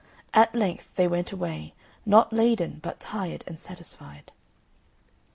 At length they went away, not laden but tired and satisfied.